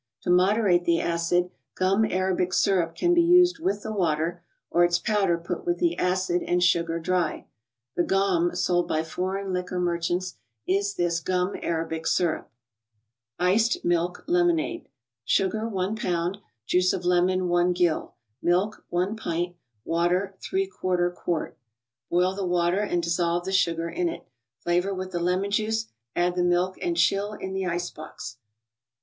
To moderate the acid, gum arabic syrup can be used with the water, or its powder put with the acid and sugar dry. The " gomme " sold by foreign liquor mer¬ chants is this gum arabic syrup. 3!cet> uplift Lemonatie, Sugar. i lb.; Juice of lemon, i gill; Milk, i pint; Water, quart. Boil the water and dissolve the sugar in it; flavor with the lemon juice; add the milk and chill in the ice box.